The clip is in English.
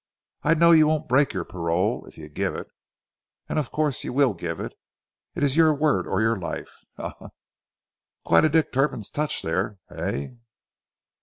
I know you won't break your parole if you give it. And of course, you will give it. It's your word or your life. Ha! Ha! Quite a Dick Turpin touch there, hey?"